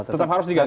tetap harus diganti